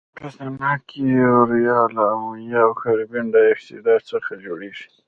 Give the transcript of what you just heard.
په صنعت کې یوریا له امونیا او کاربن ډای اکسایډ څخه جوړیږي.